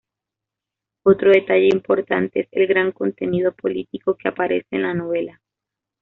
Otro detalle importante, es el gran contenido político que aparece en la novela.